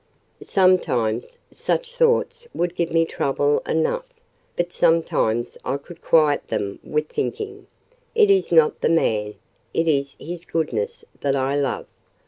Sometimes, such thoughts would give me trouble enough; but sometimes I could quiet them with thinking—it is not the man, it is his goodness that I love.